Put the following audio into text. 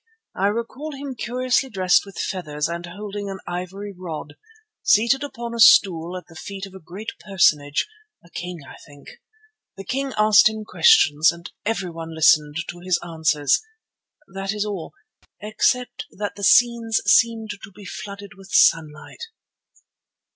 I recall him curiously dressed with feathers and holding an ivory rod, seated upon a stool at the feet of a great personage—a king, I think. The king asked him questions, and everyone listened to his answers. That is all, except that the scenes seemed to be flooded with sunlight."